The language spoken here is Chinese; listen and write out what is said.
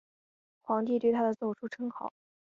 皇帝对他的奏疏称好。